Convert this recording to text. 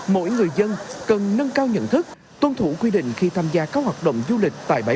mỗi người dân cần nâng cao nhận thức tuân thủ quy định khi tham gia các hoạt động du lịch tại bãi